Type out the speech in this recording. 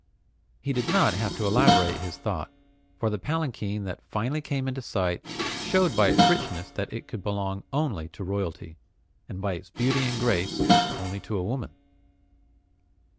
He did not have to elaborate his thought, for the palanquin that finally came in sight showed by its richness that it could belong only to royalty, and by its beauty and grace, only to a woman.